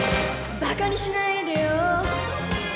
「馬鹿にしないでよ」